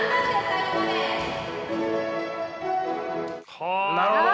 はあなるほど！